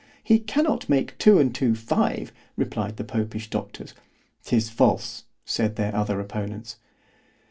He cannot make two and two five, replied the Popish doctors.——'Tis false, said their other opponents.